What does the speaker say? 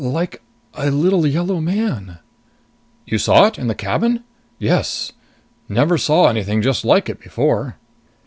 "Like a little yellow man " "You saw it? In the cabin? Yes. Never saw anything just like it before!"